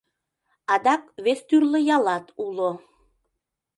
Адак вес тӱрлӧ ялат уло.